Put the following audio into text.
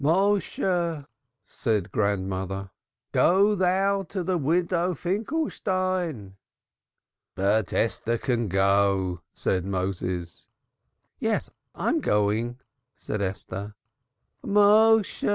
"Méshe," said the grandmother. "Go thou to the Widow Finkelstein." "But Esther can go," said Moses. "Yes, I'm going," said Esther. "Méshe!"